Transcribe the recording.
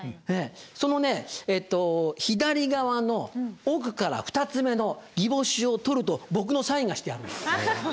そのね左側の奥から２つ目の擬宝珠を取ると僕のサインがしてあるんです。